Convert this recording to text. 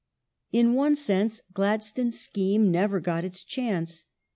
^ In one sense Gladstone's scheme never got its chance.